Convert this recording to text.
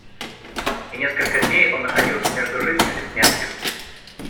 И несколько дней он находился между жизнью и смертью.